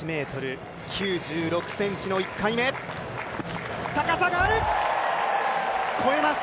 １ｍ９６ｃｍの１回目高さがある、越えます！